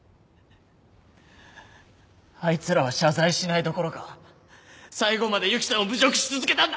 あいつらは謝罪しないどころか最後までＹＵＫＩさんを侮辱し続けたんだ。